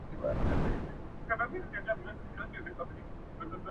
• گراني ددې وطن په ورځ كي توره شپـه راځي.